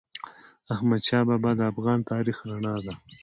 احمدشاه بابا د افغان تاریخ رڼا ده.